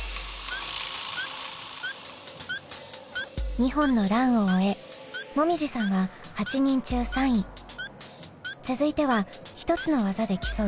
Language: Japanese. ２本のランを終えもみじさんは８人中３位。続いては１つの技で競う